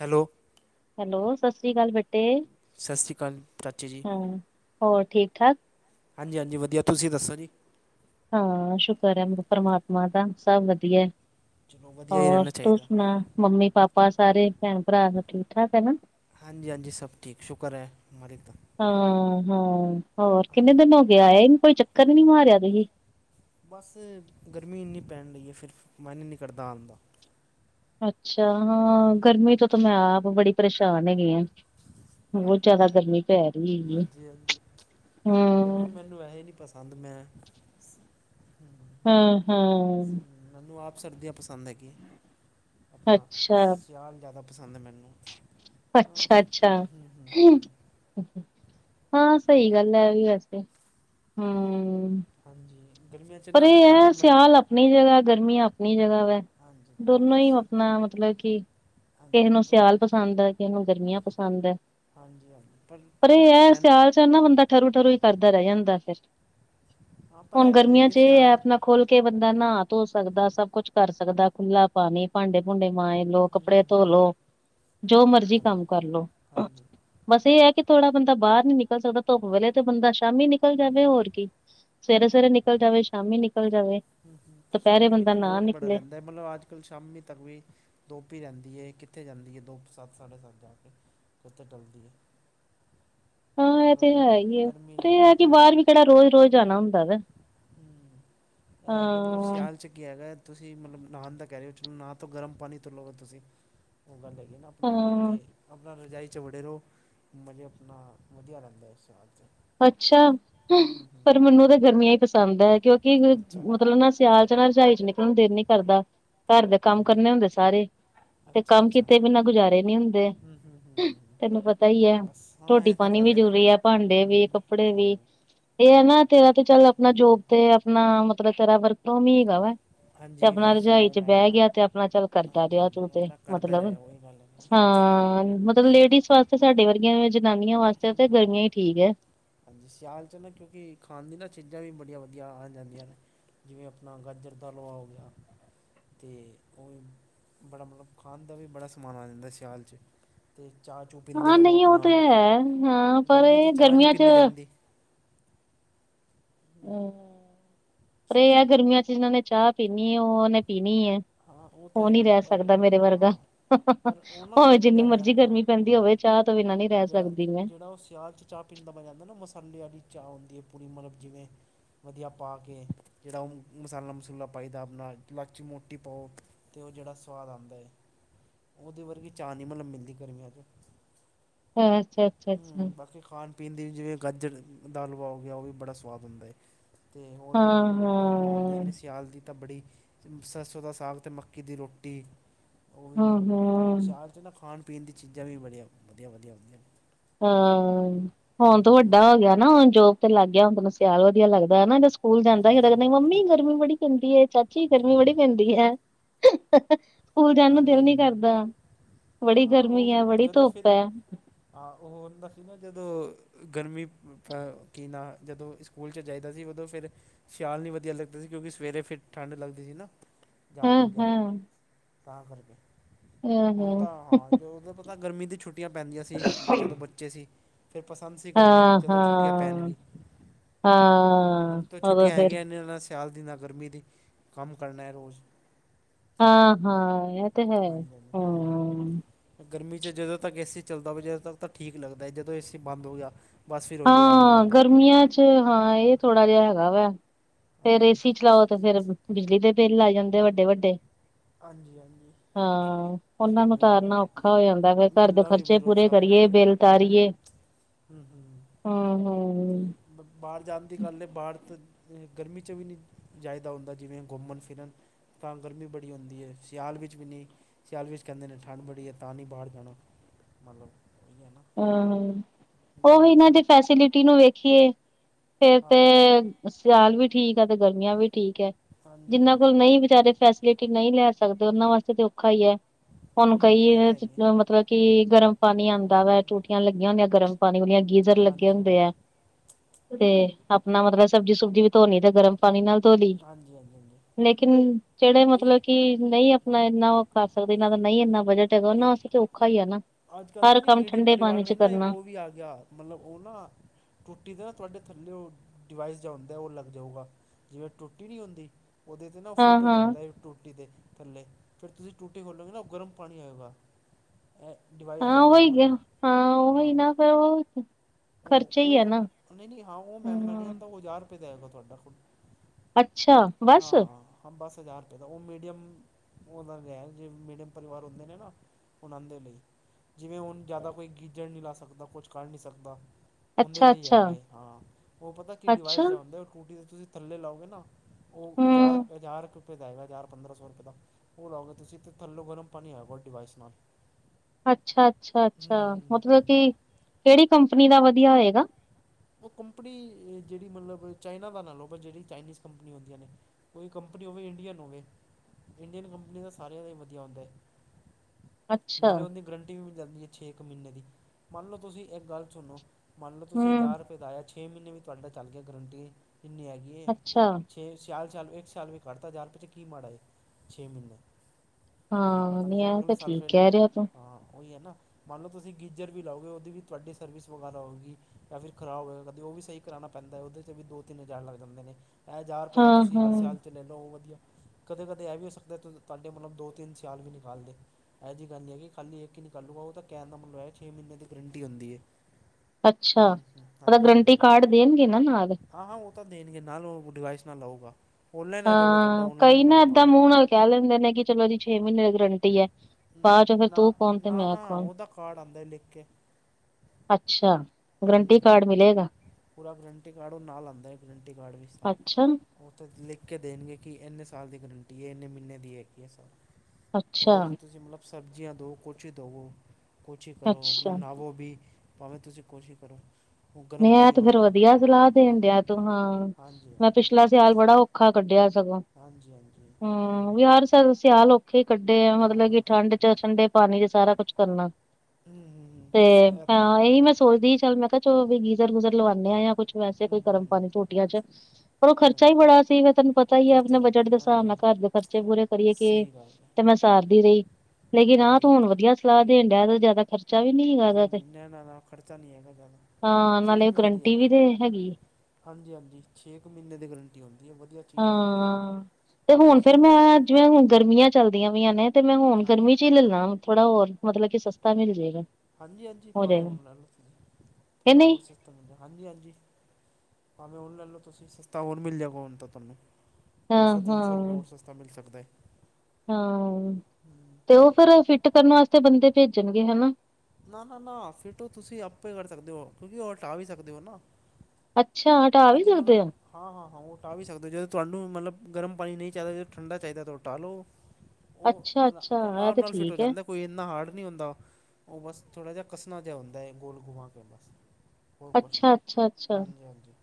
Hello hello ਸਤਿ ਸ੍ਰੀ ਅਕਾਲ ਬੇਟੇ ਸਤਿ ਸ਼੍ਰੀ ਅਕਾਲ ਚਾਚੇ ਜੀ ਹੂੰ ਹੋਰ ਠੀਕ ਠਾਕ? ਹਾਂਜੀ -ਹਾਂਜੀ ਵੱਧੀਆ ਤੁਸੀਂ ਦੱਸੋ ਜੀ? ਹਾਂ ਸ਼ੁਕਰ ਐ ਮ ਪਰਮਾਤਮਾ ਦਾ ਸਭ ਵੱਧੀਆ ਚਲੋ ਵਧੀਆ ਹੀ ਹੋਰ ਰਹਿਣਾ ਤੂੰ ਚਾਹੀਦਾ ਸੁਣਾ ਮੰਮੀ ਪਾਪਾ ਸਾਰੇ ਭੈਣ ਭਰਾ ਠੀਕ ਠਾਕ ਐ ਨਾ? ਹਾਂਜੀ -ਹਾਂਜੀ ਸਭ ਠੀਕ ਸ਼ੁਕਰ ਐ ਮਾਲਿਕ ਦਾ। ਹਾਂ ਹਾਂ ਹੋਰ ਕਿੰਨੇ ਹਾਂਜੀ ਦਿਨ ਹੋ ਗਏ ਆਏਆ ਕੋਈ ਚੱਕਰ ਨਈ ਮਾਰੇਆ ਤੁਸੀਂ? ਬਸ ਗਰਮੀ ਏਨੀ ਪੈਣ ਦਈ ਐ ਫਿਰ ਮਨ ਈ ਨਈ ਕਰਦਾ ਆਣ ਦਾ। ਅੱਛਾ ਹਾਂ ਹਾਂਜੀ ਗਰਮੀ ਤੋਂ ਤਾਂ ਮੈਂ ਆਪ ਬੜੀ ਪਰੇਸ਼ਾਨ ਹੈਗੀ ਆ ਬੋਤ ਜਾਦਾ ਗਰਮੀ ਪੈ ਰਹੀ ਹੈਗੀ। ਹੈ ਹਾਂਜੀ -ਹਾਂਜੀ ਹੂੰ। ਗਰਮੀ ਮੈਨੂੰ ਵੈਸੇ ਨਈ ਪਸੰਦ ਮੈਂ ਹਮ, ਹਾਂ ਹਾਂ ਮੈਨੂੰ ਆਪ ਸਰਦੀਆਂ ਪਸੰਦ ਹੈਗੀਆਂ ਆਪਣਾ ਅੱਛਾ ਸਿਆਲ- ਜ਼ਾਦਾ ਪਸੰਦ ਮੈਂਨੂੰ। ਅੱਛਾ ਅੱਛਾ। ਹਾਂ ਸਈ ਗੱਲ ਆਵੀ ਵੈਸੇ ਹੂੰ ਹਾਂਜੀ! ਗਰਮੀਆਂ 'ਚ ਪਰ ਨਾ ਏ ਪਤਾ ਆ ਨਹੀਂ ਮਤਲਬ ਸਿਆਲ ਆਪਣੀ ਜਗ੍ਹਾ ਗਰਮੀ ਆਪਣੀ ਜਗ੍ਹਾ ਵਾ ਹਾਂਜੀ ਦੋਨੋਂ ਨਹੀਂ ਈ ਸੀ ਆਪਣਾ ਮਤਲਬ ਕਿ ਹਾਂਜੀ! ਕਿਸੇ ਪਰ ਸਿਆਲ ਪਸੰਦ ਆ ਕਿਸੇ ਨੂੰ ਗਰਮੀਆਂ ਪਸੰਦ ਆ। ਹਾਂਜੀ -ਹਾਂਜੀ ਪਰ ਪਰ ਏ ਆ ਮੈਂ ਸਿਆਲ 'ਚ ਨਾ ਬੰਦਾ ਠਰੂ ਠਰੂ ਈ ਕਰਦਾ ਰੈ ਜਾਂਦਾ ਫਿਰ ਆਪਣਾ ਕੱਲ੍ਹ ਲੇਗੀ ਸੀ। ਤੇ ਆਪਣਾ ਖੁਲ ਕੇ ਬੰਦਾ ਨਾ ਧੋ ਸਕਦਾ ਸਭ ਕੁਛ ਕਰ ਸਕਦਾ ਖੁੱਲਾ ਪਾਣੀ ਭਾਂਡੇ ਭੂੰਡੇ ਮਾਂਝ ਲੋ ਕੱਪੜੇ ਹੂੰ ਧੋ ਲੋ ਜੋ ਮਰਜ਼ੀ ਹਾਂਜੀ ਕੰਮ ਕਰਲੋ। ਹਾਂਜੀ ਬਸ ਏ ਆ ਕਿ ਥੋੜ੍ਹਾ ਬੰਦਾ ਬਾਹਰ ਨੀ ਨਿਕਲ ਸਕਦਾ ਧੁੱਪ ਵੇਲੇ ਤੇ ਬੰਦਾ ਸ਼ਾਮੀ ਨਿਕਲ ਜਾਵੇ ਹੋਰ ਕੀ ਸਵੇਰੇ -ਸਵੇਰੇ ਨਿਕਲ ਜਾਵੇ, ਸ਼ਾਮੀ ਨਿਕਲ ਜਾਵੇ ਪਰ ਦੁਪਹਿਰੇ ਸ਼ਾਮੀ ਵੀ ਬੰਦਾ ਨਾ ਗੋਟ ਬੜਾ ਨਿਕਲੇ ਰੇਂਦਾ ਮਤਲਬ ਅੱਜ -ਕੱਲ੍ਹ ਸ਼ਾਮੀ ਤੱਕ ਵੀ ਧੁੱਪ ਈ ਰੇਂਦੀ ਐ ਕਿੱਥੇ ਜਾਂਦੀ ਐ ਧੁੱਪ ਸੱਤ ਸਾਢੇ ਸੱਤ ਜਾ ਕੇ ਕਿੱਥੇ ਡਲਦੀ ਆ। [inaudible] ਹਾਂ ਏ ਤੇ ਹੈਈ ਏ, ਗਰਮੀ ਪਰ ਏ ਐ ਰਹਿੰਦੀ ਕੇਂ ਹਾਂ ਬਾਰ ਵੀ ਕੇੜਾ ਰੋਜ਼ -ਰੋਜ਼ ਜਾਨਾ ਹੁੰਦਾ ਵਾ [inaudible] ਐ ਹੈ ਕੇ ਮਤਲਬ ਹਾਂ ਸਿਆਲ ਚ ਕੀ ਹੈਗਾ ਤੁਸੀਂ ਮਤਲਬ ਨਹਾਨ ਦਾ ਕੈ ਰਏ ਓ ਚਲੋ ਨਹਾ ਤੋ ਗਰਮ ਪਾਨੀ ਤੋਂ ਲਓ ਤੁਸੀਂ ਓ ਗੱਲ ਹੈਗੀ ਐ ਨਾ। ਆਪਨਾ ਹਾਂ ਤੇ ਆਪਨਾ ਰਜਾਈ ਚ ਵੜੇ ਰਓ, ਮਜ਼ੇ ਆਪਨਾ ਵਦੀਆ ਰੈਂਦਾ ਐ ਸਿਆਲ ਚ। ਅੱਛਾ, ਹੂੰ ਹੂੰ ਹੂੰ ਪਰ ਮੈਨੂੰ ਤਾਂ ਗਰਮੀਆਂ ਈ ਪਸੰਦ ਐ ਕਿਓਂਕਿ ਅੱਛਾ ਮਤਲਬ ਨਾ ਸਿਆਲ ਚ ਨਾ ਰਜਾਈ ਚ ਨਿਕਲਨ ਨੂੰ ਦਿਲ ਨੀ ਕਰਦਾ, ਘਰ ਦਾ ਕੰਮ ਹਾਂਜੀ ਕਰਨੇ ਹੁੰਦੇ ਸਾਰੇ ਤੇ ਅੱਛਾ ਕੰਮ ਅੱਛਾ ਕੀਤੇ ਬਿਨਾਂ ਗੁਜਾਰੇ ਨੀ ਹੁੰਦੇ। ਹੂੰ ਹੂੰ ਹੂੰ ਹੂੰ ਹੂੰ। ਤੈਨੂੰ ਪਤਾ ਈ ਐ ਬਸ ਹਾਂ ਰੋਟੀ ਇਹ ਤਾਂ ਪਾਨੀ ਗੱਲ ਵੀ ਹੈ ਜ਼ਰੂਰੀ ਐ ਭਾਂਡੇ ਹੂੰ ਵੀ ਕੱਪੜੇ ਹੂੰ ਹੂੰ ਵੀ, ਏ ਐ ਨਾ ਤੇਰਾ ਤੇ ਚੱਲ ਆਪਨਾ ਹੂੰ। ਜੋਬ ਤੇ ਆਪਨਾ ਮਤਲਬ ਤੇਰਾ ਵਰਕ ਓਮੀਂ ਹੈਗਾ ਵਾ ਤੇ ਹਾਂਜੀ ਆਪਨਾ ਵਰਕ ਫਰੋਮ ਰਜਾਈ ਚ ਹੋਮ ਹੈਗਾ ਬੈ ਨਾ ਗੇਆ ਤੇ ਆਪਨਾ ਚੱਲ ਕਰਦਾ ਹਾਂਜੀ ਰਿਆ ਹਾਂਜੀ ਤੂੰ ਤੇ ਆਪਣਾ ਕਰਦੇ ਮਤਲਬ ਰਹੇ ਉਹੀ ਗੱਲ ਹੈਗੀ ਨਾ ਹਾਂ ਮਤਲਬ ਸਿਆਲ ਲੇਡੀਜ਼ ਵਾਸਤੇ ਸਾਡੇ ਵਰਗੀਆਂ ਜਨਾਨੀਆਂ ਵਾਸਤੇ ਤੇ ਗਰਮੀਆਂ ਈ ਠੀਕ ਐ। ਹਾਂਜੀ ਸਿਆਲ ਚ ਨਾ ਕਿਓਂਕਿ ਖਾਨ ਦੀ ਨਾ ਵੀ ਚੀਜ਼ਾਂ ਬੜੀਆਂ ਵਦੀਆ ਆ ਜਾਂਦੀਆਂ ਨੇ। ਜਿਵੇਂ ਆਪਨਾ ਗਾਜਰ ਦਾ ਹਲਵਾ ਹੋ ਗੇਆ। ਤੇ ਓ ਬੜਾ ਮਤਲਬ ਖਾਨ ਦਾ ਵੀ ਬੜਾ ਸਮਾਨ ਆ ਜਾਂਦਾ ਸਿਆਲ ਚ। ਤੇ ਚਾ ਚੂ ਪੀਂਦੇ ਹਾਂ ਰਵੋ ਨਹੀਂ ਉਹ ਤੇ ਆਪਨਾ। ਹੈ ਹਾਂ ਪਰ ਗਰਮੀ ਚ ਇਹ ਚਾਅ ਏ ਨੀ ਗਰਮੀਆਂ ਚ ਪੀਂਦੀ ਜਾਂਦੀ। ਹੂੰ, ਪਰ ਏ ਆ ਗਰਮੀਆਂ ਚ ਜਿਨਾਂ ਨੇ ਚਾ ਪੀਨੀ ਐ ਓ ਓਨੇ ਪੀਨੀ ਐ। ਹਾਂ ਉਹ ਤਾਂ ਓ ਨਈਂ ਹੈਗੀ ਆ ਰੈ ਪਰ ਸਕਦਾ ਮੇਰੇ ਹਾਂ ਵਰਗਾ ਹਾਂ ਆ, ਪਰ ਉਹ ਨਾ ਭਾਵੇਂ ਉਹ ਜਿੰਨੀ ਮਜ਼ਾ ਨਹੀਂ ਮਰਜ਼ੀ ਆਉਂਦਾ ਗਰਮੀ ਪੈਂਦੀ ਹਾਂ ਹੋਵੇ ਚਾ ਤੋਂ ਬਿਨਾਂ ਨੀ ਰੈ ਸਕਦੀ ਮੈਂ। ਪਿੰਡ ਮੈਂ ਜਾਂਦਾ ਨਾ ਮਸਾਲੇ ਵਾਲੀ ਚਾਅ ਹੁੰਦੀ ਐ ਪੂਰੀ ਮਤਲਬ ਜਿਵੇਂ ਵਦੀਆ ਪਾ ਕੇ ਜੇੜਾ ਓ ਮਸਾਲਾ ਮਸੂਲਾ ਪਾਈਦਾ ਆਪਨਾ ਲਾਚੀ ਮੋ ਟੀ ਪਾਓ, ਓ ਜੇੜਾ ਸੁਵਾਦ ਆਂਦਾ ਓਦੇ ਵਰਗੀ ਚਾਅ ਨੀ ਮਤਲਬ ਮਿਲਦੀ ਗਰਮੀਆਂ ਚ, ਅੱਛਾ ਅੱਛਾ ਅੱਛਾ ਹੂੰ ਬਾਕੀ ਖਾਨ ਪੀਨ ਦੀ ਜਿਵੇਂ ਗਾਜਰ ਦਾ ਹਲਵਾ ਹੋ ਗੇਆ ਓ ਵੀ ਬੜਾ ਸਵਾਦ ਹੁੰਦਾ ਏ। ਤੇ ਹੋਰ ਵੀ ਹਾਂ ਮਤਲਬ ਆਈਟਮਾਂ ਹੁੰਦੀਆਂ ਹਾਂ ਨੇ ਸਿਆਲ ਦੀ ਤਾ ਬੜੀ ਸਰਸੋਂ ਦਾ ਸਾਗ ਤੇ ਮੱਕੀ ਦੀ ਰੋਟੀ, ਓ ਵੀ ਹੂੰ ਮਤਲਬ ਹੂੰ ਸਿਆਲ ਚ ਨਾ ਖਾਨ ਪੀਨ ਦੀ ਚੀਜ਼ਾਂ ਵੀ ਬੜੀਆਂ ਵਦੀਆ-ਵਦੀਆ ਹੁੰਦੀਆਂ ਨੇ। ਹਾਂ, ਹੂੰ ਹੁਨ ਤੇ ਹੂੰ ਹੂੰ ਵੱਡਾ ਹੋ ਗੇਆ ਨਾ ਹੁਨ ਜੋਬ ਤੇ ਲਾਗੇਆ ਹੁਨ ਤੈਨੂੰ ਸਿਆਲ ਵਦੀਆ ਲੱਗਦਾ ਨਾ ਸਕੂਲ ਜਾਂਦਾ ਹਾਂਜੀ ਹਾਂਜੀ ਕੈਂਦਾ-ਕੈਂਦਾ ਮੰਮੀ ਗਰਮੀ ਬੜੀ ਪੈਂਦੀ ਏ ਚਾਚੀ ਗਰਮੀ ਬੜੀ ਪੈਂਦੀ ਐ। ਸਕੂਲ ਜਾਨ ਨੂੰ ਦਿਲ ਹਾਂਜੀ ਨਈ ਹਾਂਜੀ ਕਰਦਾ, ਬੜੀ ਗਰਮੀ ਐ ਬੜੀ ਧੁੱਪ ਐ। ਆ ਓਹੋ ਹੁੰਦਾ ਸੀ ਨਾ ਜਦੋਂ ਗਰਮੀ ਕੀ ਨਾ ਜਦੋਂ ਅਸੀਂ ਸਕੂਲ ਚ ਜਾਈਦਾ ਸੀ ਉਦੋਂ ਫਿਰ ਸਿਆਲ ਨੀ ਵਦੀਆ ਲੱਗਦਾ ਸੀ ਕਿਓਂਕਿ ਸਵੇਰੇ ਫਿਰ ਠੰਢ ਲੱਗਦੀ ਸੀ ਨਾ ਜਾਣ ਹਾਂ ਲੱਗੇਆਂ। ਹਾਂ। ਤਾਂ ਕਰਕੇ ਹੂੰ-ਹੂੰ, ਹੁਨ ਹਾਂ-ਹਾਂ। ਤਾਂ ਹਾਂ ਜਦੋਂ ਓਦੋਂ ਪਤਾ ਗਰਮੀ ਦੀ ਛੁੱਟੀਆਂ ਪੈਂਦੀਆਂ ਸੀ ਜਦੋਂ ਬੱਚੇ ਸੀ। ਫਿਰ ਪਸੰਦ ਸੀ ਗਰਮੀ ਕੀ ਹਾਂ ਕਦੋਂ ਛੁੱਟੀਆਂ ਹਾਂ ਪੈਨਗੀ ਹਾਂ ਹੁਨ-ਹੁਨ ਤੋ ਉਦੋਂ ਛੁੱਟੀਆਂ ਫੇਰ ਹੈਗੀਆਂ ਨੇ ਨਾ ਸਿਆਲ ਦੀ ਨਾ ਗਰਮੀ ਦੀ ਕੰਮ ਕਰਨਾ ਐ ਰੋਜ਼ ਹਾਂ-ਹਾਂ ਏ ਤੇ ਹੈ ਹੂੰ ਗਰਮੀ ਚ ਜਦੋਂ ਤੱਕ ਏ ਸੀ ਚੱਲਦਾ ਹੋਵੇ ਜਦੋਂ ਤੱਕ ਤਾਂ ਠੀਕ ਲੱਗਦਾ ਏ ਜਦੋਂ ਏਸੀ ਬੰਦ ਹੋ ਗੇਆ ਹਾਂ ਗਰਮੀਆਂ ਚ ਹਾਂ ਏ ਥੋੜਾ ਜਾ ਹੈਗਾ ਵਾ ਫਿਰ ਹਾਂਜੀ ਏਸੀ ਚਲਾਓ ਤੇ, ਫਿਰ ਬਿਜਲੀ ਦੇ ਬਿੱਲ ਆ ਜਾਂਦੇ ਆ ਵੱਡੇ-ਵੱਡੇ। ਹਾਂਜੀ-ਹਾਂਜੀ। ਹਾਂ ਉਹਨਾਂ ਨੂੰ ਉਤਾਰਨਾ ਔਖਾ ਹੋ ਜਾਂਦਾ, ਫਿਰ ਘਰ ਦੇ ਬਿੱਲਾ ਵੀ ਖਰਚੇ ਭਰੋ ਪੂਰੇ ਕਰੀਏ ਬਿੱਲ ਤਾਰੀਏ। [inaudible] ਹਮ-ਹਮ। ਹਮ- ਹਮ। ਬਾਹਰ ਜਾਣ ਦੀ ਗੱਲ ਐ ਬਾਹਰ ਤੇ ਗਰਮੀ ਚ‌ ਵੀ ਨੀ ਜਾਈਦਾ ਹੁੰਦਾ ਜਿਵੇਂ ਘੁੰਮਣ ਫਿਰਨ ਤਾਂ ਗਰਮੀ ਬੜੀ ੜੀ ਹੁੰਦੀ ਐ। ਸਿਆਲ ਵਿੱਚ ਵੀ ਨੀ ਸਿਆਲ ਵਿੱਚ ਕਹਿੰਦੇ ਨੇ ਠੰਡ ਬੜੀ ਐ ਤਾਂ ਨੀ ਬਾਹਰ ਜਾਣਾ। ਮਤਲਬ ਇਹ ਹੀ ਐ ਨਾ ਹਮ-ਹਮ ਉਹ ਗਰਮੀ ਹੀ ਨਾ 'ਚ ਜੇ ਫੈਸਿਲਿਟੀ ਨੂੰ ਵੇਖੀਏ ਫਿਰ ਹਾਂ ਤੇ ਹਾਂਜੀ ਸਿਆਲ ਵੀ ਠੀਕ ਐ, ਤੇ ਗਰਮੀਆਂ ਵੀ ਠੀਕ ਐ। ਹਾਂਜੀ ਹੂੰ ਜਿੰਨਾ ਕੋਲ ਨਹੀਂ ਵਿਚਾਰੇ ਫੈਸ ਲੇਟੀ ਨਹੀਂ ਲੈ ਸਕਦੇ ਉਹਨਾਂ ਵਾਸਤੇ ਤਾਂ ਔਖਾ ਈ ਐ। ਹੁਣ ਹੂੰ ਇਹ ਕਈ ਤਾਂ ਚ ਹੈਗੀ ਹੈ ਮਤਲਬ ਕਿ ਗਰਮ ਪਾਣੀ ਆਂਦਾ ਹੂੰ ਵਾ ਟੂਟੀਆਂ ਲੱਗੀਆਂ ਹੁੰਦੀਆਂ ਗਰਮ ਪਾਣੀ ਵਾਲੀਆ, ਗੀਜ਼ਰ ਲੱਗੇ ਹਾਂਜੀ ਹੁੰਦੇ ਹਾਂਜੀ ਐ। ਤੇ ਆਪਣਾ ਮਤਲਬ ਸਬਜ਼ੀ ਸੁਬਜੀ ਵੀ ਧੋਣੀ ਤੇ ਗਰਮ ਪਾਣੀ ਨਾਲ ਧੋ ਲੀ। ਹਾਂਜੀ ਹਾਂਜੀ ਹਾਂਜੀ ਲੇਕਿਨ ਜਿਹੜੇ ਨਹੀਂ ਮਤਲਬ ਕਿ ਨਈ ਆਪਣਾ ਇਹਨਾ ਕਰ ਸਕਦੇ, ਇਹਨਾਂ ਦਾ ਨਈ ਨਹੀਂ ਇੰਨਾ ਬਜਟ ਹੈਗਾ। ਉਹਨਾਂ ਨਹੀਂ ਵਾਸਤੇ ਤੇ ਔਖਾ ਈ ਐ ਨਾ। ਅੱਜ ਕਲ ਤਾਂ ਹਰ ਨੀ ਕੰਮ ਮੀਡੀਅਮ ਠੰਡੇ ਪਰਿਵਾਰ ਪਾਣੀ ਚ ਨੇ ਨਾ ਇੱਕ ਕਰਨਾ ਉਹ ਵੀ ਆ ਗਿਆ ਮਤਲਬ ਉਹ ਨਾ ਟੂਟੀ ਦੇ ਨਾ ਤੁਹਾਡੇ ਥੱਲੇ ਉਹ ਡਿਵਾਈਸ ਜਾ ਹੁੰਦਾ ਉਹ ਲੱਗ ਜਾਊਗਾ। ਜਿਵੇਂ ਟੂਟੀ ਨੀ ਹੁੰਦੀ ਉਹਦੇ ਤੇ ਨਾ ਉਹ ਹਾਂ ਫਿੱਟ ਹੋ ਹਾਂ ਜਾਂਦਾ ਐ, ਟੂਟੀ ਦੇ ਥੱਲੇ ਫਿਰ ਤੁਸੀਂ ਟੂਟੀ ਖੋਲ੍ਹੋਗੇ ਨਾ ਉਹ ਗਰਮ ਪਾਣੀ ਆਏਗਾ। [unintelligible] ਹਾਂ ਜਿਹਾ ਉਹ ਆਇਆ ਹੀ ਮਤਲਬ [unintelligible] ਹਾਂ ਉਹ ਹੀ ਨਾ ਫਿਰ ਉਹ ਖਰਚੇ ਹੀ ਹੈ ਉਹ-ਉਹ, ਨਾ ਨਹੀਂ-ਨਹੀਂ ਹਾਂ ਉਹ ਮਹਿੰਗਾ ਨੀ ਹਮ ਆਂਦਾ, ਉਹ ਹਜ਼ਾਰ ਰੁਪਏ ਦਾ ਹੈਗਾ ਤੁਹਾਡਾ ਖੁੱਦ ਅੱਛਾ ਬਸ ਹਾਂ-ਹਾਂ। ਹਾਂ ਬਸ ਹਜ਼ਾਰ ਰੁਪਏ ਦਾ ਉਹ ਮੀਡੀਅਮ ਉਹਦਾ ਹੈ ਜਿਹੜੇ ਮੀਡੀਅਮ ਪਰਿਵਾਰ ਹੁੰਦੇ ਨੇ ਨਾ ਉਹਨਾਂ ਦੇ ਲਈ। ਜਿਵੇਂ ਹੁਣ ਜ਼ਿਆਦਾ ਕੋਈ ਗੀਜਰ ਨੀ ਲਾ ਸਕਦਾ ਕੁਛ ਕਰ ਨੀ ਸਕਦਾ ਉਹਦੇ ਅੱਛਾ ਲਈ ਅੱਛਾ ਹੈਗਾ ਏ ਹਾਂ ਉਹ ਪਤਾ ਕੀ ਡਿਵਾਈਸ ਅੱਛਾ ਜਾਂ ਆਂਦਾ ਟੂਟੀ ਦੇ ਤੁਸੀਂ ਥੱਲੇ ਲਾਓਗੇ ਨਾ ਉਹ ਹਜ਼ਾਰ ਹਮ ਹਜ਼ਾਰਕ ਰੁਪਏ ਦਾ ਆਏਗਾ ਹਜ਼ਾਰ ਪੰਦਰਾਂ ਸੌ ਰੁਪਏ ਦਾ ਉਹ ਲਾਓਂਗੇ ਤੁਸੀਂ ਤੇ ਥੱਲੋਂ ਗਰਮ ਪਾਣੀ ਆਏਗਾ ਡਿਵਾਈਸ ਨਾਲ। ਹੂੰ ਅੱਛਾ-ਅੱਛਾ-ਅੱਛਾ ਹੂੰ ਮਤਲਬ ਹੂੰ ਕਿ ਕਿਹੜੀ ਕੰਪਨੀ ਦਾ ਵਧੀਆ ਹੋਏਗਾ? ਉਹ ਕੰਪਨੀ ਜਿਹੜੀ ਮਤਲਬ ਚਾਈਨਾ ਦਾ ਨਾ ਲੋਂ ਬਸ ਜਿਹੜੀ ਚਾਈਨੀਜ਼ ਕੰਪਨੀਆਂ ਹੁੰਦੀਆਂ ਨੇ ਕੋਈ ਕੰਪਨੀ ਹੋਵੇ ਇੰਡੀਅਨ ਹੋਵੇ, ਇੰਡੀਅਨ ਕੰਪਨੀ ਦਾ ਸਾਰਿਆਂ ਦਾ ਹੀ ਵਧੀਆ ਆਉਦਾ ਹੁੰਦਾ। ਅੱਛਾ ਨਾਲੇ ਉਹ ਦੀ ਗਰੰਟੀ ਵੀ ਮਿਲ ਜਾਂਦੀ ਆ। ਛੇ ਇੱਕ ਦੇ ਮਹੀਨੇ ਦੀ ਮੰਨ ਲਓ ਤੁਸੀਂ ਇੱਕ ਗੱਲ ਸੁਣੋ ਮੰਨ ਲਓ ਤੁਸੀਂ ਹਮ ਹਜਾਰ ਰੁਪਏ ਦਾ ਆਇਆ ਛੇ ਮਹੀਨੇ ਵੀ ਤੁਹਾਡਾ ਚੱਲ ਗਿਆ, ਗਰੰਟੀ ਕਿੰਨੀ ਹੈਗੀ ਏ। ਅੱਛਾ ਤਿੰਨ ਸਆਲ ਚੱਲ ਇੱਕ ਸਆਲ ਵੀ ਕੱਢਤਾ ਯਾਰ ਪਿੱਛੇ ਕੀ ਮਾੜਾ ਏ ਛੇ ਮਹੀਨੇ। ਤੇ ਮਾੜਾ ਹਾਂ ਤਾਂ ਨਹੀਂ ਇਹ ਅਗਲੇ ਸਾਲ ਠੀਕ ਫੇਰ ਲੈ ਕਹਿ ਲਓ ਰਿਹਾ ਤੂੰ ਹਾਂ। ਉਹ ਏ ਨਾ ਮੰਨ ਲਓ ਤੁਸੀਂ ਗੀਜਰ ਵੀ ਲਓਗੇ ਉਹਦੀ ਵੀ ਤੁਹਾਡੀ ਸਰਵਿਸ ਵਗੈਰਾ ਤਾਂ ਫਿਰ ਖਰਾਬ ਹੋਇ ਕਰਦੇ ਉਹ ਵੀ ਸਹੀ ਕਰਣਾ ਪੈਂਦਾ। ਉਹਦੇ 'ਚ ਵੀ ਦੋ ਤਿੰਨ ਹਜਾਰ ਲੱਗ ਜਾਂਦੇ ਨੇ। ਹਜ਼ਾਰ ਰੁਪੈ ਦਾ ਹਾਂ ਤੁਸੀਂ ਹਰ ਹਾਂ ਸਾਲ 'ਚ ਲੈ ਲਓ ਉਹ ਵਧੀਆ ਕਦੇ ਕਦੇ ਇਹ ਵੀ ਹੋ ਸਕਦਾ। ਤੁਹਾਡੇ ਮਨ ਅੰਦਰੋ ਦੋ ਤਿੰਨ ਸਿਆਲ ਵੀ ਨਿਕਾਲਦੇ। ਇਹੋ ਜਹੀ ਗੱਲ ਨਹੀ ਹੈਗੀ ਕਿ ਖਾਲੀ ਇੱਕ ਹੀ ਨਹੀਂ ਕਰੱਲੂਗਾ ਉਹ ਤਾਂ ਕਹਿਣ ਦਾ ਮਤਲਬ ਛੇ ਮਹੀਨੇ ਦੀ ਗਰੰਟੀ ਆਂਦੀ ਏ। ਅੱਛਾ ਉਹਦਾ ਹਾਂਜੀ ਗਾਰੰਟੀ ਹਾਂਜੀ ਕਾਰਡ ਦੇਣਗੇ ਨਾ ਨਾਲ। ਹਾਂ ਹਾਂ ਉਹ ਤਾਂ ਦੇਣਗੇ ਨਾਲ ਉਹ ਡਿਵਾਈਸ ਨਾਲ ਆਊਗਾ। ਔਨਲਾਈਨ ਆ ਜਾਊਗਾ ਤੁਹਾਡਾ ਹਾਂ, ਔਨਲਾਈਨ ਕਈ ਮੰਗਾ ਨਾ ਲਓ ਏਦਾਂ ਭਾਵੇਂ ਮੂੰਹ ਨਾਲ ਕੈ ਦਿੰਦੇ ਨੇ ਕਿ ਚਲੋ ਜੀ ਛੇ ਮੀਨੇ ਦੀ ਗਰੰਟੀ ਐ। ਨਾ, ਨਾ-ਨਾ ਓ ਤਾ ਕਾਰਡ ਆਂਦੇ ਲਿਖ ਕੇ। ਅੱਛਾ। ਗਰੰਟੀ ਹਾਂਜੀ, ਕਾਰਡ ਮਿਲੇਗਾ ਪੂਰਾ ਗਰੰਟੀ ਕਾਰਡ ਓਦੇ ਨਾਲ ਆਂਦਾ, ਗਰੰਟੀ ਕਾਰਡ ਵੀ ਸ ਅੱਛਾ ਓ ਤਾਂਨੂੰ ਲਿਖ ਕੇ ਦੇਣਗੇ ਕਿ ਏਨੇ ਸਾਲ ਦੀ ਗਰੰਟੀ ਏ, ਏਨੇ ਮੀਨੇ ਦੀ ਹੈਗੀਏ। ਅੱਛਾ ਓਦੇ 'ਚ ਤੁਸੀਂ ਮਤਲਬ ਸਬਜ਼ੀਆਂ ਦੇ, ਕੌਛ ਦਵੋ। ਕੋਛ ਈ ਕਰੋ, ਅਪਨਾ ਅੱਛਾ ਨਾਵੋ ਵੀ ਭਾਵੇਂ ਤੁਸੀਂ ਕੌਛ ਈ ਕਰੋ। ਉਹ ਗਰਮ ਨੀਂ ਐ ਪਾਣੀ ਤੈ ਫੇਰ ਆਊਗਾ ਨਾ ਵਧੀਆ ਸਲਾਹ ਦੇਣ ਡਿਆ ਤੂੰਹਾਂ, ਹਾਂਜੀ ਹਾਂਜੀ ਮੈਂ ਪਿਛ ਪਿਛਲਾ ਸਿਆਲ ਬੜਾ ਔਖਾ ਕੱਢਿਆ ਸਗੋਂ ਹਾਂਜੀ ਹਾਂਜੀ ਹੂੰ, ਵੀ ਹਰ ਸਿਆਲ ਔਖਾ ਔਖੇ ਈਂ ਕੱਢੇ ਆ ਹਾਂ ਮਤਲਬ ਹਾਂ ਕਿ ਠੰਡ 'ਚ ਠੰਡੇ ਪਾਣੀ 'ਚ ਸਾਰਾ ਕੁਛ ਕਰਨਾ। ਹੂੰ ਹੂੰ ਤੇ ਹੂੰ ਇਹ ਤਾਂ ਹਾਂ ਐਹੀ ਮੈਂ ਸੋਚਦੀ ਸੀ ਚੱਲ, ਮੈਂ ਕੇਆ ਵੀ ਗੀਜ਼ਰ-ਗੂਜਰ ਲਵਾਨੇ ਆਂ, ਯਾਂ ਕੁੱਛ ਵੈਸੇ ਹੂੰ ਕੋਈ ਹੂੰ ਗਰਮ ਪਾਣੀ ਹੂੰ ਟੂਟੀਆ 'ਚ ਓਦੋਂ ਨਹੀਂ ਖਰਚ ਈ ਨਹੀਂ ਬੜਾ ਸੀ ਫੇਰ ਤੇਨੂੰ ਪਤਾ ਆ ਖਰਚਾ ਅਪਣੇ ਜ਼ਿਆਦਾ ਬਜਟ ਦੇ ਹਿਸਾਬ ਨਾਲ ਘਰ ਦੇ ਖਰਚੇ ਪੂਰੇ ਕਰੀਏ ਕਿ ਕੀ ਗੱਲ ਤੇ ਮੈਂ ਸਾਰਦੀ ਰਈ, ਲੇਕਿਨ ਆਹ ਹਾਂਜੀ ਤੂੰ ਹੁਣ ਹਾਂਜੀ ਵਧੀਆ ਸਲਾਹ ਦੇਣ ਡਿਆ ਏਤੋ ਜਾਦਾ ਖਰਚਾ ਵੀ ਨੀਂ ਹੈਗਾ ਏਦਾ ਤੇ ਨਾ-ਨਾ-ਨਾ ਖਰਚਾ ਨੀਂ ਹੈਗਾ ਜਾਦਾ। ਹਾਂ, ਨਾਲੇ ਗਰੰਟੀ ਵੀ ਤੇਰੀ ਹੈਗੀ। ਹਾਂਜੀ-ਹਾਜੀ, ਛੇ ਕੁ ਮੀਨੇ ਦੀ ਗਰੰਟੀ ਹੁੰਦੀ ਐ ਵਧੀਆ ਚੀ, ਵਧੀਆ ਗੀ। ਹਾਂ ਤੇ ਹੁਣ ਫੇਰ ਮੈਂ ਜਿਵੇਂ ਹੁਣ ਗਰਮੀਆਂ ਚੱਲਦੀਆਂ ਵੀਈਆਂ ਨੇ ਤੇ ਮੈਂ ਹੁਣ ਹਾਂਜੀ ਗਰਮੀ 'ਚ ਲਲਾਂ। ਥੋੜਾ ਹੋਰ ਮਤਲਬ ਕਿ ਸਸਤਾ ਮਿਲ ਜੇਗਾ। ਹਾਂਜੀ-ਹਾਂਜੀ ਭਾਵੇਂ ਹੁਣ ਲੈਲੋ, ਕਿ ਥੋੜ੍ਹਾ ਨਹੀਂ ਔਰ ਸੀਜ ਹਾਂਜੀ-ਹਾਂਜੀ, ਭਾਵੇਂ ਹੁਣ ਲੱਲੋ ਤੁਸੀਂ, ਸਸਤਾ ਹੋਰ ਮਿਲ ਜੇਗਾ ਤੁਆਨੂੰ। ਦੋ ਹਾਂ ਸੌ, ਤਿੰਨ ਸੌ ਰਪਏ ਹਾਂ ਹੋਰ ਸਸਤਾ ਮਿਲ ਸਕਦਾਏ। ਹਾਂ, ਤੇ ਓ ਫੇਰ ਫਿੱਟ ਕਰਨ ਵਾਸਤੇ ਬੰਦੇ ਭੇਜਣਗੇ, ਹਨਾ। ਨਾ-ਨਾ-ਨਾ ਫਿਟ ਓ ਤੁਸੀਂ ਆਪੇ ਕਰ ਸਕਦੇ ਓ, ਕਿਉਂਕਿ ਓ ਹਟਾ ਵੀ ਸਕਦੇ ਓਨਾ। ਅੱਛਾ ਹਟਾ ਵੀ ਓਦੀ ਮਲਬ ਸਕਦੇ ਆ ਹਾਂ-ਹਾਂ-ਹਾਂ ਓ ਹਟਾ ਵੀ ਸਕਦੇ। ਜਦੋਂ ਤੁਆਨੂੰ ਮਲਬ ਗਰਮ ਪਾਣੀ ਨਈਂ ਚਾਈਦਾ ਜ, ਠੰਡਾ ਚਾਈਦਾ ਤਾਂ ਹਟਾ ਲੋ। ਓ ਅੱਛਾ ਅੱਛਾ ਓ ਇਹ ਆਰਾਮ ਤੇ ਨਾਲ ਫਿਟ ਹੋ ਠੀਕ ਹੈ ਜਾਂਦੈ। ਕੋਈ ਏਨਾ ਹਾਰਡ ਨੀ ਹੁੰਦਾ ਓ ਬਸ, ਥੋੜ੍ਹਾ ਜੇਆ ਕੱਸਣਾ ਜੇਆ ਹੁੰਦਾ ਏ ਗੋਲ ਗੁੰਮਾ ਕੇ ਬਸ। ਹੋਰ ਕੁਛ ਅੱਛਾ ਨੀ, ਅੱਛਾ ਅੱਛਾ ਹਾਂਜੀ-ਹਾਂਜੀ।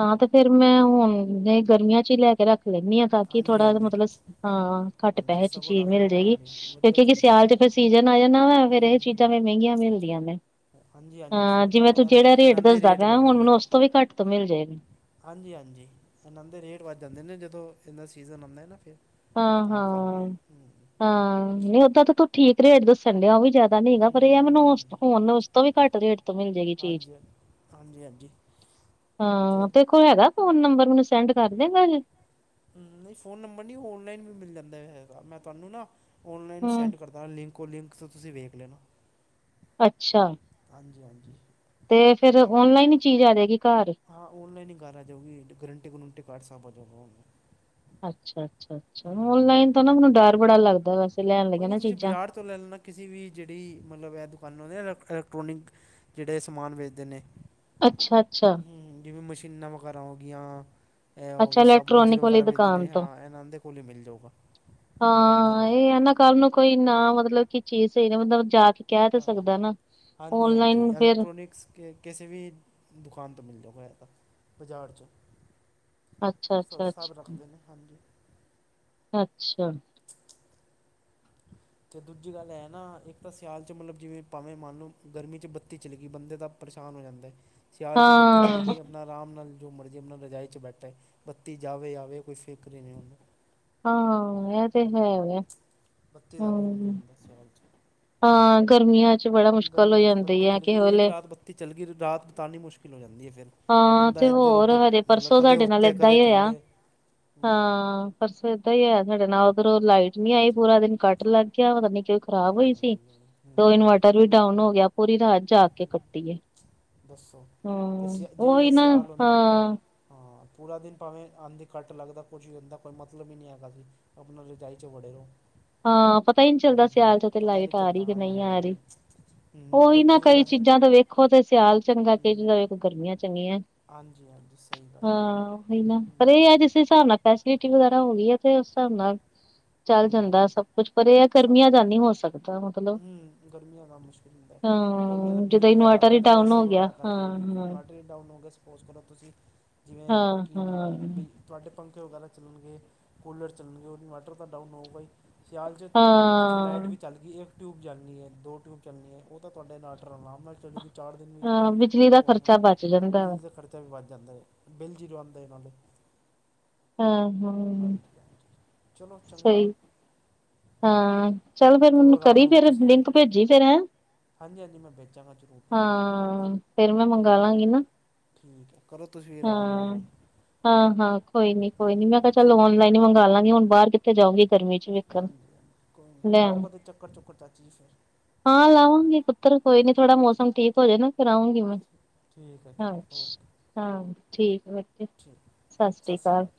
ਹਾਂ ਤੇ ਫੇਰ ਮੈਂ ਹੁਣ ਗਰਮੀਆਂ 'ਚ ਈ ਲੈਕੇ ਰੱਖ ਲੈਂਨੀਆ। ਤਾਂਕੀ ਹਾਂਜੀ ਥੋੜ੍ਹਾ ਜਾ ਹਾਂਜੀ ਮਤਲਬ ਹਾਂ ਘੱਟ ਹਾਂਜੀ ਪੈਹੇ ਚ ਸਗੋਂ ਚੀਜ ਰੱਖ ਮਿਲ ਲਓ ਜੇਗੀ, ਹਾਂਜੀ ਵਧੀਆ ਕਿਉਂਕਿ ਚੀਜ਼ ਹੈ ਸਿਆਲ ਤੇ ਫੇਰ ਸੀਜਨ ਆ ਜਾਦਾਂ ਵਾ, ਫੇਰ ਹੂੰ ਏ ਹੂੰ ਚੀਜਾਂ ਹੂੰ ਵੀ ਮੈਂਹਗੀਆਂ ਮਿਲਦੀਆਂ ਨੇ। ਹਾਂਜੀ ਹਾਂਜੀ ਹਾਂ, ਫਿਰ ਤਾਂ ਜਿਵੇਂ ਉਹ ਤੂੰ ਇਨ ਜੇੜਾ ਰੇਟ ਇਹਨਾਂ ਦੇ ਦੱਸਦਾ ਪੇਆ ਹੁਣ, ਮੈਨੂੰ ਉਸ ਤੋਂ ਵੀ ਘੱਟ ਤੋਂ ਮਿਲਜੇ। ਹਾਂਜੀ-ਹਾਂਜੀ, ਏਨਾਂ ਦੇ ਰੇਟ ਵੱਧ ਜਾਂਦੇ ਨੇ ਜਦੋਂ ਏਦਾ ਸੀਜਨ ਹੁੰਦਾ ਨਾ ਫੇਰ। ਹਾਂ-ਹਾਂ, ਹਾਂ ਨਈਂ ਓਦਾਂ ਤਾਂ ਤੂੰ ਠੀਕ ਰੇ ਦੱਸਣ ਡੇਆਂ, ਓਹ ਵੀ ਨੀ ਹੈਗਾ ਹੂੰ ਪਰ ਏਐ ਮੈਨੂੰ ਉਸ ਹੂੰ ਹੁਨ ਉਸ ਤੋਂ ਵੀ ਘੱਟ ਰੇਟ ਤੋਂ ਮਿਲ ਜੇਗੀ ਚੀਜ। ਜੀ ਤੇ ਹਾਂ ਤੇਰੇ ਕੋ ਹੈਗਾ ਫੋਨ ਨੰਬਰ ਮੈਨੂੰ ਸੈਂਡ ਕਰ ਦੇਗਾਂ ਜੇ? ਨਈਂ ਫੋਨ ਨੰਬਰ ਨੀ ਓ ਔਨਲਾਈਨ ਵੀ ਮਿਲ ਜਾਂਦਾ ਹੈਗਾ। ਮੈਂ ਤੁਆਨੂੰ ਨਾ ਔਨਲਾਈਨ ਹੂੰ ਸੈਂਡ ਕਰਦਾ ਲਿੰਕ। ਓ ਲਿੰਕ ਤੋਂ ਤੁਸੀਂ ਵੇਖ ਲੈਣਾ। ਅੱਛਾ। ਹਾਂਜੀ-ਹਾਂਜੀ। ਤੇ ਫੇਰ ਓਨਲਾਈਨ ਈ ਚੀਜ ਆ ਜੇਗੀ ਘਰ? ਹਾਂ, ਓਨਲਾਈਨ ਹੀ ਕਰ ਆ ਜਾਓ ਗੀ, ਗਰੰਟੀ-ਗਰੂੰਟੀ ਕਾਰਡ ਸਭ ਆ ਜਾਊਗਾ ਜੋ ਵੀ ਓਲਾਈਨ ਅੱਛਾ ਅੱਛਾ ਅੱਛਾ ਔਨਲਾਈਨ ਤੋ ਨਾ ਮੈਨੂੰ ਡਰ ਬੜਾ ਲੱਗਦਾ ਬਸ। ਕੋਈ ਨੀ ਤੁਸੀਂ ਬਾਜ਼ਾਰ ਤੋਂ ਲੈ ਲੈਣਾ ਕਿਸੇ ਵੀ ਜੇੜੀ ਮਲਬ ਐ ਦੁਕਾਨਾਂ ਹੁੰਦੀਆ ਨਾ ਇਲੈਕਟ੍ਰੋਨਿਕ। ਜੇੜੇ ਏ ਸਮਾਨ ਵੇਚਦੇ ਨੇ। ਅੱਛਾ ਅੱਛਾ ਹੂੰ ਜਿਵੇਂ ਮਸ਼ੀਨਾਂ ਵਗੈਰਾ ਹੋਗੀ ਆਂ। ਐ ਅੱਛਾ ਹੋਗੇ ਸਭ ਗੀਜ਼ਰ ਇਲੈਕਟ੍ਰੋਨਿਕ ਵਾਲੀ ਵਗੈਰਾ ਵੇਚਦੇ ਦੁਕਾਨ ਨੇ, ਤੋਂ ਹਾਂ ਏਨਾਂ ਦੇ ਕੋਲ ਈ ਮਿਲ ਜਾਊਗਾ। ਇਹ ਰੱਖਦੇ ਹਾਂ ਨੇ ਏ ਨਾਂ ਕੱਲ੍ਹ ਨੂੰ ਕੋਈ ਨਾ ਮਤਲਬ ਕੀ ਚੀਜ਼ ਸਈ ਨਾ ਮਤਲਬ ਜਾ ਕੇ ਕੈ ਤੇ ਹਾਂ ਸਕਦਾ ਨਾ, ਔਨਲਾਈਨ ਫੇਰ ਕਿ ਕਿਸੇ ਵੀ ਦੁਕਾਨ ਤੋਂ ਮਿਲ ਜਾਊਗਾ ਏ ਤਾਂ ਬਜ਼ਾਰ 'ਚੋ। ਅੱਛਾ ਸ ਅੱਛਾ ਸਭ ਅੱਛਾ ਰੱਖਦੇ ਨੇ ਹਾਂਜੀ। ਅੱਛਾ। ਤੇ ਦੂਜੀ ਗੱਲ ਐ ਨਾ, ਇੱਕ ਤਾਂ ਸਿਆਲ 'ਚ ਮਲਬ ਜਿਵੇਂ ਭਾਵੇਂ ਮੰਨ ਲਓ ਗਰਮੀ 'ਚ ਬੱਤੀ ਚਲੀ ਗੀ ਬੰਦੇ ਦਾ ਪਰਸ਼ਾਨ ਹੋ ਜਾਂਦਾ, ਸਿਆਲ 'ਚ ਬੱਤੀ ਚਲੀ ਹਾਂ ਗੀ ਆ। ਆਪਣਾ ਰਾਮ ਨਾਲ ਜੋ ਮਰਜ਼ੀ ਆਪਣਾ ਰਜਾਈ 'ਚ ਬੈਠੇ, ਬੱਤੀ ਜਾਵੇ ਆਵੇ ਕੋਈ ਫ਼ਿਕਰ ਈ ਨੀ ਓਨੂੰ। ਹਾਂ ਹਾਂ ਐ ਤੇ ਹੈ ਵੇ। ਬੱਤੀ ਦਾ ਵੀ ਓ ਨੀ ਹੁੰਦਾ ਸਿਆਲ 'ਚ। ਹਾਂ ਗਰਮੀਆਂ 'ਚ ਬੜਾ ਮੁਸ਼ਕਿਲ ਹੋ ਜਾਂਦੀ ਆ ਕਿਹੇ ਵੇਲੇ। ਤੇ ਚੱਲ ਗੀ ਤੇ ਰਾਤ ਬਿਤਾਨੀ ਮੁਸ਼ਕਿਲ ਹੋ ਜਾਂਦੀ ਏ ਫੇਰ। ਹਾਂ ਤੇ ਹੋਰ ਹਜੇ ਪਰਸੋਂ ਸਾਡੇ ਨਾਲ ਉੱਤੇ ਏਦਾਂ ਕਦੇ ਈ ਹੋਇਆ, ਥੱਲੇ ਹਾਂ। ਪਰਸੋਂ ਏਦਾਂ ਈ ਹੋਇਆ ਸਾਡੇ ਨਾਲ, ਉੱਧਰੋਂ ਲਾਈਟ ਨੀ ਆਈ ਹਾਂਜੀ ਪੂਰਾ ਦਿਨ ਕੱਟ ਲੱਗ ਗਿਆ। ਪਤਾ ਨੀ ਕੀ ਖ਼ਰਾਬ ਹੋਈ ਸੀ, ਓਦੋ ਇਨਵੇਟਰ ਵੀ ਡਾਊਨ ਹੋ ਗਿਆ। ਪੂਰੀ ਰਾਤ ਜਾਗ ਕੇ ਹਾਂ ਕੱਟੀ ਏ, ਦੱਸੋ ਅਤੇ ਹੂੰ ਸਿਆ ਜੇ ਓਹੀ ਇਹ ਨਾ ਸਿਆਲ ਹੁੰਦਾ ਆਪਣਾ ਹਾਂ। ਹਾਂ ਪੂਰਾ ਦਿਨ ਭਾਵੇਂ ਆਂਦੇ ਕੱਟ ਲੱਗਦਾ, ਕੁਝ ਵੀ ਹੁੰਦਾ ਕੋਈ ਮਤਲਬ ਈ ਨੀ ਹੈਗਾ ਜੀ। ਆਪਣਾ ਰਜਾਈ 'ਚ ਵੜੇ ਰੋ। ਹਾਂ ਪਤਾ ਈ ਨੀ ਚੱਲਦਾ ਸਿਆਲ 'ਚ ਤੇ ਲਾਈਟ ਆ ਰੀ ਚੱਲਦਾ ਕਿ ਹਾਂਜੀ ਨਈ ਹਾਂਜੀ ਆ ਰੀ। ਹਾਂਜੀ ਹੂੰ ਓਹੀ ਨਾ ਐਕਟਿਵ ਹੋ ਕਈ ਵੈਸੇ ਚੀਜ਼ਾਂ ਤੇ ਵੇਖੋ ਤੇ ਸਿਆਲ ਚੰਗਾ, ਕਈ ਹੂੰ ਚੀਜ਼ਾਂ ਵੇਖੋ ਗਰਮੀਆਂ ਚੰਗੀਆਂ। ਹਾਂਜੀ ਹਾਂਜੀ ਸਹੀ ਗੱਲ ਹੈ ਹਾਂ ਓਹੀ ਨਾ, ਪਰ ਹੂੰ ਏ ਆ ਜਿਸ ਤੇ ਸਾਡੇ ਨਾਲ ਫੈਸਿਲਿਟੀ ਵਗੈਰਾ ਹੋ ਗੀ ਐ ਤੇ ਉਸ ਸਾਬ ਨਾਲ ਚੱਲ ਹਾਂ ਹਾਂ ਹਾਂ ਜਾਂਦਾ। ਸਭ ਕੁਛ ਪਰੇ ਆ ਸਾ ਕਰਮੀਆਂ ਦਾ ਨੀ ਹੋ ਸਕਦਾ ਮਤਲਬ। ਹੂੰ ਗਰਮੀਆਂ ਦਾ ਮੁਸ਼ਕਿਲ ਹੁੰਦਾ, ਗਰਮੀਆਂ ਦਾ ਹਾਂ ਬਿੱਲ ਜਦੋਂ ਵੀ ਜ਼ਾਦਾ ਇਨਵਰਟਰ ਆਂਦਾ ਹੀ ਨਾ। ਏ ਡਾਊਨ ਸੀ ਹੋ ਗਿਆ ਵਗੈਰਾ ਕਰਕੇ ਹਾਂ-ਹਾਂ, ਇਨਵੈ ਰੇਟ ਡਾਊਨ ਹੋ ਗੇ ਸਪੋਜ ਕਰੋ ਤੁਸੀਂ, ਹਾਂ-ਹਾਂ। ਜਿਵੇਂ ਹਾਂ, ਕੀ ਨਾ ਹਾਂ ਵੀ ਤੁਆਡੇ ਪੰਖੇ ਵਗੈਰਾ ਚੱਲਣਗੇ, ਕੂਲਰ ਚੱਲਣਗੇ, ਔਰ ਇਨਵੈਟਰ ਤਾਂ ਡਾਊਨ ਹੋਊਗਾ ਈ। ਸਿਆਲ'ਚ ਮੰਨ ਲਓ ਤੁਸੀਂ ਲਾਈਟ ਹਾਂ ਵੀ ਚੱਲ ਗੀ, ਇਕ ਟਿਊਬ ਜਲਣੀ ਏ, ਦੋ ਟਿਊਬ ਚੱਲਣੀ ਏ, ਓ ਤਾਂ ਤੁਆਡੇ ਇ ਨਾਟਰ ਆਰਾਮ ਨਾਲ ਚੱਲੂਗੀ। ਚਾਰ ਦਿਨ ਵੀ ਹਾਂ ਬਿਜਲੀ ਦਾ ਓ ਆਏ ਨਾ ਖ਼ਰਚਾ ਬਚ ਜਾਂਦਾ ਵਾ ਬਿਜਲੀ ਦਾ ਖ਼ਰਚਾ। ਖਰਚਾ ਵੀ ਵੱਧ ਜਾਂਦਾ ਏ ਬਿਲ ਜ਼ੀਰੋ ਆਂਦੇ ਏਨਾ ਦੇ। ਹਾਂ ਹਾਂ ਹਾਂ। ਹਾਂਜੀ ਹਾਂਜੀ ਚਲੋ ਚੰਗਾ। ਹਾਂ ਚੱਲ ਫੇਰ ਕਰੋ ਮੈਨੂੰ ਆਰਾਮ ਕਰੀ ਰੂਮ ਫੇਰ, ਤੁਸੀਂ ਵੀ ਲਿੰਕ ਭੇਜੀ ਫੇਰ ਹੈਂ। ਹਾਂਜੀ ਹਾਂਜੀ ਮੈਂ ਭੇਜਾਂਗਾ ਜ਼ਰੂਰ ਭੇਜਾਂਗਾ ਹਾਂ ਫੇਰ ਮੈਂ ਕਰੋ ਮੰਗਾ ਲਾਂਗੀ ਨਾ। ਠੀਕ ਐ ਕਰੋ ਤੁਸੀਂ ਆਰਾਮ ਅਰੂਮ ਹੁਣ। ਹਾਂ ਹਾਂ ਕੋਈ ਨੀ ਕੋਈ ਹਾਂਜੀ ਨੀ ਮੈਂ ਕਿਆ ਚਲ ਠੀਕ ਹੈ, ਔਨਲਾਈਨ ਈ ਮੰਗਾ ਲਾਂਗੀ, ਹੁਣ ਬਾਰ ਕਿੱਥੇ ਜਾਊਂਗੀ ਗਰਮੀ 'ਚ ਵੇਖਣ। ਹਾਂਜੀ ਹਾਂਜੀ ਕੋਈ ਨੀ ਲਾਓ ਲੈਣ ਕਦੇ ਚੱਕ ਹਾਂ ਲਾਊੰਗੀ ਪੁੱਤਰ ਕੋਈ ਨੀ ਥੋੜਾ ਮੌਸਮ ਠੀਕ ਹੋ ਜੇ ਨਾ, ਫੇਰ ਆਉਂਗੀ ਮੈਂ। ਠੀਕ ਹੈ ਜੀ ਓਕੇ ਅੱਛਾ ਹਾਂ ਠੀਕ ਵਧਿਆ ਠੀਕ ਸਾਸਰੀ ਸਤਿ ਸ਼੍ਰੀ ਕਾਲ। ਅਕਾਲ